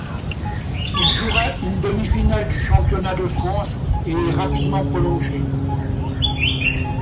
Il jouera une demi-finale du championnat de France et est rapidement prolongé.